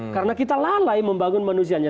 karena kita lalai membangun manusianya